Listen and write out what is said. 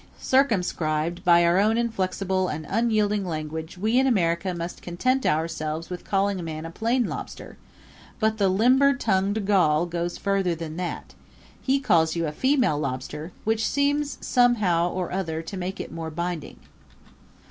Circumscribed by our own inflexible and unyielding language we in America must content ourselves with calling a man a plain lobster; but the limber tongued Gaul goes further than that he calls you a female lobster, which seems somehow or other to make it more binding.